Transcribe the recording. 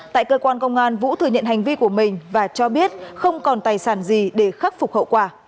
tại cơ quan công an vũ thừa nhận hành vi của mình và cho biết không còn tài sản gì để khắc phục hậu quả